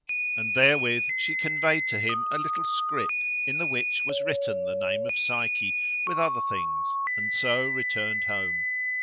And therewith she conveyed to him a little scrip, in the which was written the name of Psyche, with other things; and so returned home.